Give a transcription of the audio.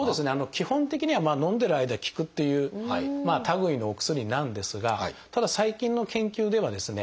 基本的にはのんでる間効くっていう類いのお薬なんですがただ最近の研究ではですね